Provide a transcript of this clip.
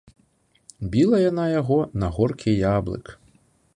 Біла яна яго на горкі яблык.